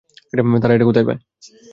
তারা এটা কোথায় পায়?